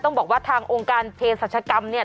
ต้องบอกว่าทางองค์การเทสัชกรรมเนี่ย